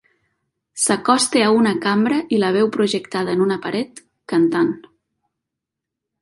S'acosta a una cambra i la veu projectada en una paret, cantant.